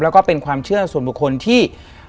แล้วก็เป็นความเชื่อส่วนบุคคลที่